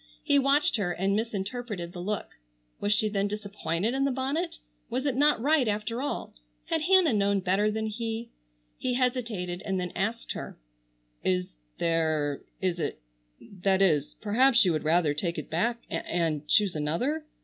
He watched her and misinterpreted the look. Was she then disappointed in the bonnet? Was it not right after all? Had Hannah known better than he? He hesitated and then asked her: "Is there—— Is it—— That is—perhaps you would rather take it back and and choose another.